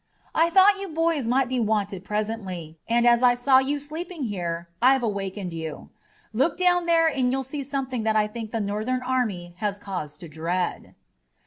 I thought you boys might be wanted presently, and, as I saw you sleeping here, I've awakened you. Look down there and you'll see something that I think the Northern army has cause to dread."